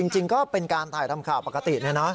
จริงก็เป็นการถ่ายทำข่าวปกติเนี่ยนะ